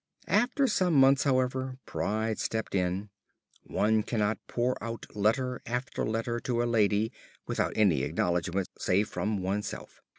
After some months, however, pride stepped in. One cannot pour out letter after letter to a lady without any acknowledgment save from oneself.